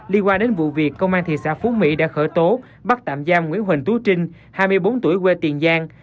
liên quan đến vụ việc công an thị xã phú mỹ đã khởi tố bắt tạm giam nguyễn huỳnh tú trinh hai mươi bốn tuổi quê tiền giang